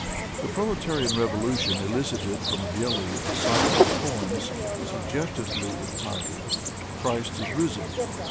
The proletarian revolution elicited from Bely a cycle of poems, suggestively entitled "Christ Is Risen!"